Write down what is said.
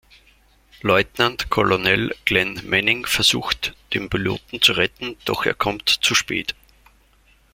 Lieutenant Colonel Glenn Manning versucht den Piloten zu retten, doch er kommt zu spät.